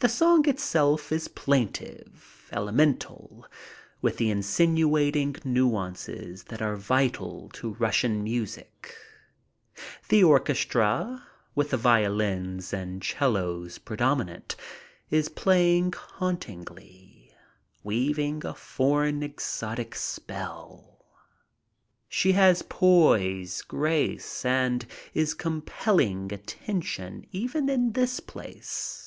The song itself is plaintive, elemental, with the insinuating nuances that are vital to Russian music. The orchestra, with the violins and cellos predominant, is playing haunt ingly, weaving a foreign exotic spell. She has poise, grace, and is compelling attention even in this place.